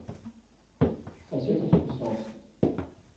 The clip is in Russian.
Сосед расписался.